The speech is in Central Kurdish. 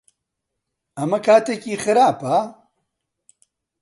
ئەمە کاتێکی خراپە؟